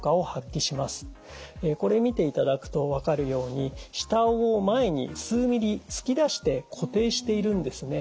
これ見ていただくと分かるように下あごを前に数ミリ突き出して固定しているんですね。